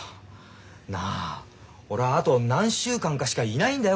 なあ俺はあと何週間かしかいないんだよ？